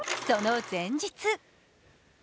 その前日